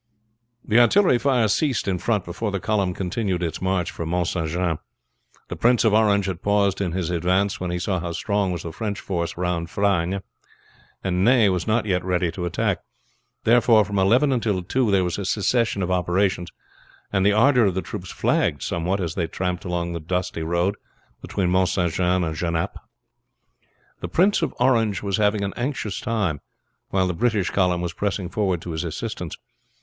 The artillery fire ceased in front before the column continued its march for Mount St. Jean. The Prince of Orange had paused in his advance when he saw how strong was the French force round Frasnes, and Ney was not yet ready to attack. Therefore from eleven until two there was a cessation of operations, and the ardor of the troops flagged somewhat as they tramped along the dusty road between Mount St. Jean and Genappe. The Prince of Orange was having an anxious time while the British column was pressing forward to his assistance.